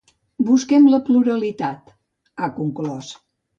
“Busquem la pluralitat”, ha conclòs.